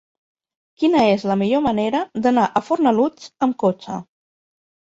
Quina és la millor manera d'anar a Fornalutx amb cotxe?